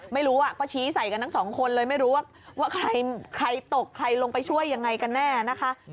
ไม่รู้ก็ชี้ใส่กันทั้งสองคนเลยไม่รู้ว่าใครตกใครลงไปช่วยยังไงกันแน่นะคะ